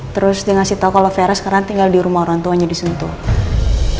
terus dia ngasih tau kalau vera sekarang tinggal di rumah orang tuanya di sentul